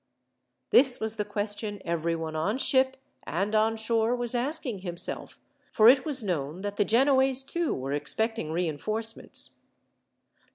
This was the question everyone on ship and on shore was asking himself, for it was known that the Genoese, too, were expecting reinforcements.